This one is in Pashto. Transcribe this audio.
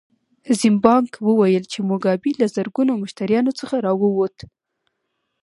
زیمبانک وویل چې موګابي له زرګونو مشتریانو څخه راووت.